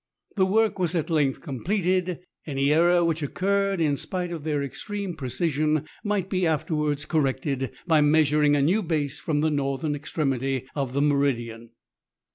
The work was at length completed. Any error which occurred, in spite of their extreme precision, might be afterwards cor rected by measuring a new base from the northern ex tremity of the meridian.